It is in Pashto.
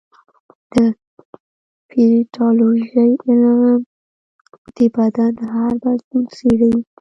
د پیتالوژي علم د بدن هر بدلون څېړي.